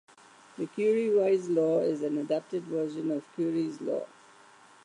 The Curie-Weiss law is an adapted version of Curie's law.